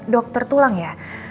dokter tulang ya